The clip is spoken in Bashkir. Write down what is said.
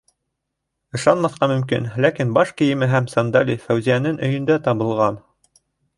Ышанмаҫҡа мөмкин, ләкин баш кейеме һәм сандали Фәүзиәнен өйөндә табылған!